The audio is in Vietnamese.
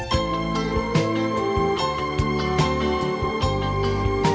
hẹn gặp lại